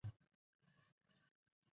后移居大连。